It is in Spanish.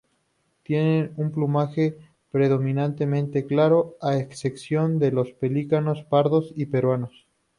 Tienen un plumaje predominantemente claro, a excepción de los pelícanos pardos y peruanos.